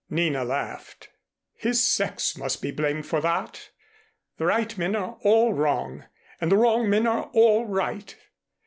Nina laughed. "His sex must be blamed for that. The right men are all wrong and the wrong men are all right.